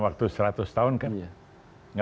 waktu seratus tahun kan